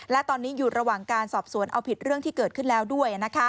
และตอนนี้อยู่ระหว่างการสอบสวนเอาผิดเรื่องที่เกิดขึ้นแล้วด้วย